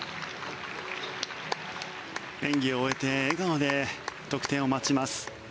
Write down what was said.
演技を終えて笑顔で得点を待ちます。